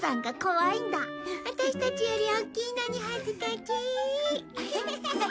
ワタシたちよりおっきいのに恥ずかしい。